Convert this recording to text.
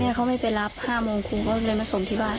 เขาไม่ไปรับ๕โมงคุณก็เลยมาส่งที่บ้าน